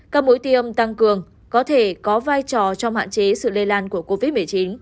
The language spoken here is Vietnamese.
các mũi tiêm tăng cường có thể có vai trò trong hạn chế sự lây lan của covid một mươi chín